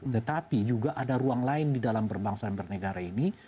tetapi juga ada ruang lain di dalam berbangsa dan bernegara ini